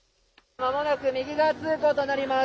まもなく右側通行となります。